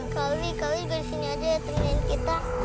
kau li kau li disini aja ya temen temen kita